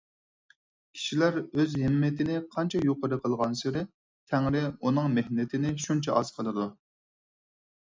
كىشىلەر ئۆز ھىممىتىنى قانچە يۇقىرى قىلغانسېرى، تەڭرى ئۇنىڭ مېھنىتىنى شۇنچە ئاز قىلىدۇ.